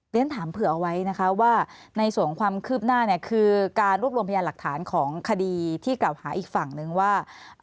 เรียนถามเผื่อเอาไว้นะคะว่าในส่วนของความคืบหน้าเนี่ยคือการรวบรวมพยานหลักฐานของคดีที่กล่าวหาอีกฝั่งนึงว่า